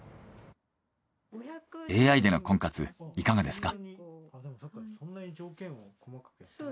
ＡＩでの婚活いかがですか？